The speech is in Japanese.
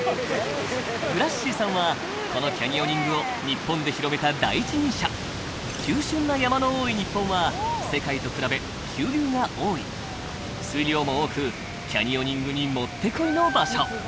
グラッシーさんはこのキャニオニングを日本で広めた第一人者急しゅんな山の多い日本は世界と比べ急流が多い水量も多くキャニオニングにもってこいの場所